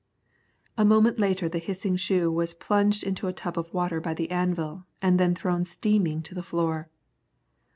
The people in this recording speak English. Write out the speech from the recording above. A moment later the hissing shoe was plunged into a tub of water by the anvil, and then thrown steaming to the floor.